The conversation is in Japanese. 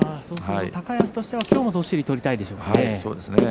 高安としては今日もどっしりと取りたいでしょうね。